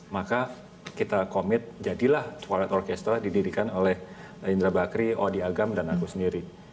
maka kita komit jadilah twilight orkestra didirikan oleh indra bakri odi agam dan aku sendiri